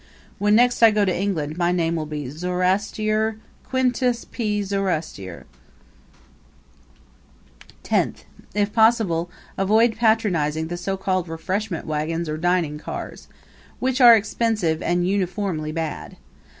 When next I go to England my name will be Zoroaster Quintus P. Zoroaster. Tenth If possible avoid patronizing the so called refreshment wagons or dining cars, which are expensive and uniformly bad.